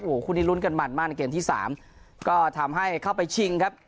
โอ้โหคู่นี้ลุ้นกันมันมากในเกมที่สามก็ทำให้เข้าไปชิงครับ